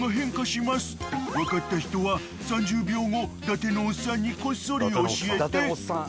［分かった人は３０秒後伊達のおっさんにこっそり教えて］